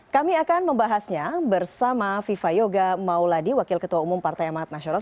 kami akan membahasnya bersama viva yoga mauladi wakil ketua umum partai amat nasional